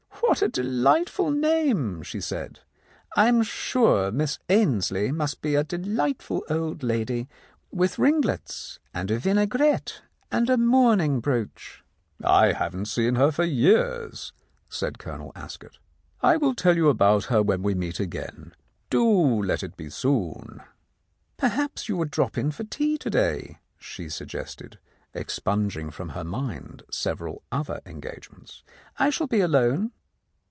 "What a delightful name 1 " she said. "I'm sure Miss Ainslie must be a delightful old lady with ringlets and a vinaigrette and a mourning brooch." "I haven't seen her for years," said Colonel Ascot. "I will tell you about her when we meet again. Do let it be soon 1 " "Perhaps you would drop in for tea to day?" she suggested, expunging from her mind several other engagements. "I shall be alone."